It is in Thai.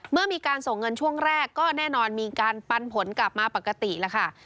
เมื่อมีการส่งเงินช่วงแรกก็แน่นอนมีการปันผลกลับมาปกติแล้วค่ะ